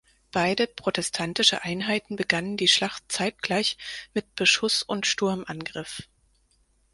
Beide protestantische Einheiten begannen die Schlacht zeitgleich mit Beschuss und Sturmangriff.